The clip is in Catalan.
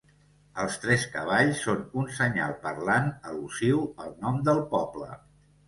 Els tres cavalls són un senyal parlant al·lusiu al nom del poble.